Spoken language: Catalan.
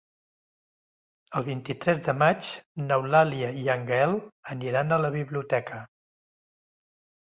El vint-i-tres de maig n'Eulàlia i en Gaël aniran a la biblioteca.